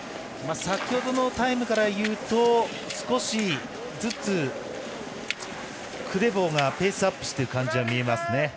先ほどのタイムからいうと少しずつクレボがペースアップしている感じが見えますね。